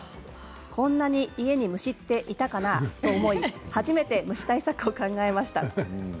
こんなに家に虫っていたかなと思い初めて虫対策を考えました。